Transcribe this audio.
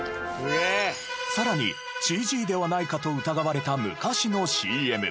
さらにＣＧではないかと疑われた昔のＣＭ。